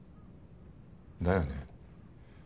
だよね。